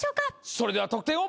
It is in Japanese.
それでは得点を。